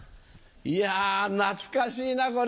いや懐かしいなこれ！